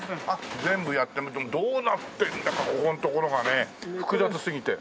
全部やってみてもどうなってるんだかここのところがね複雑すぎて。